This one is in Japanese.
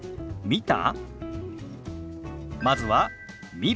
「見た？」。